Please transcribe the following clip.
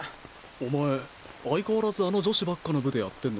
お前相変わらずあの女子ばっかの部でやってんのか？